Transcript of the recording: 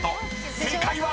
正解は⁉］